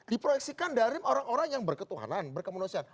diproyeksikan dari orang orang yang berketuhanan berkemanusiaan